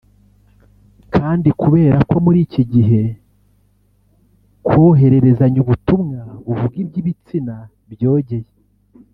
Kandi kubera ko muri iki gihe kohererezanya ubutumwa buvuga iby’ibitsina byogeye